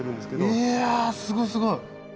いやすごいすごい。